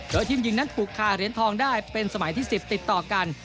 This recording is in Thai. โดยทีมหญิงนั้นถูกคาเหรียญทองได้เป็นสมัยที่๑๐ติดต่อกัน